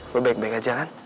lo baik baik aja kan